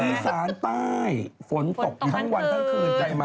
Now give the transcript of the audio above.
อีสานใต้ฝนตกทั้งวันทั้งคืน